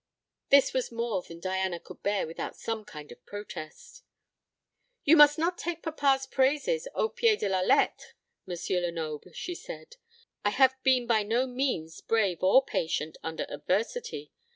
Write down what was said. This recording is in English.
This was more than Diana could bear without some kind of protest. "You must not take papa's praises au pied de la lettre, M. Lenoble," she said; "I have been by no means brave or patient under adversity.